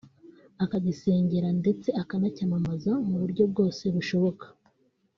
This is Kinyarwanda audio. akagisengera ndetse akanacyamamaza mu buryo bwose bushoboka